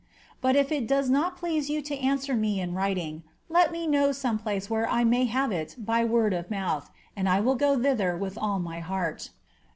But^if it does not please pu to answer me in writing, let me know some place where I may have it by word of month, and I will go thither with all my heart.